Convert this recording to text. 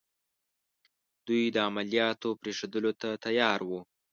دوی د عملیاتو پرېښودلو ته تیار وو.